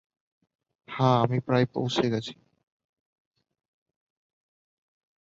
হ্যাঁ, আমি প্রায় পৌঁছে গেছি।